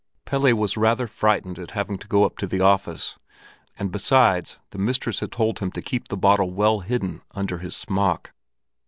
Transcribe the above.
Pelle was rather frightened at having to go up to the office, and besides the mistress had told him to keep the bottle well hidden under his smock.